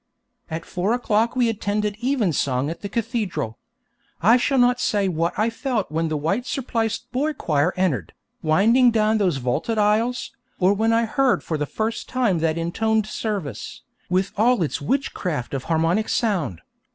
At four o'clock we attended evensong at the cathedral. I shall not say what I felt when the white surpliced boy choir entered, winding down those vaulted aisles, or when I heard for the first time that intoned service, with all its 'witchcraft of harmonic sound.'